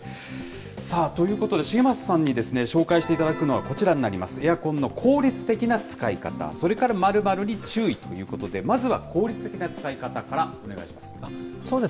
さあ、ということで、重政さんに紹介していただくのは、こちらになります、エアコンの効率的な使い方、それから○○に注意ということで、まずは効率的な使い方からお願いします。